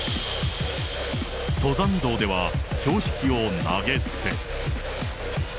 登山道では、標識を投げ捨て。